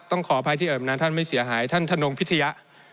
ขออภัยที่เอิบนานท่านไม่เสียหายท่านธนงพิทยะ